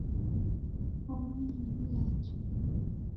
Omoni ni mlacha.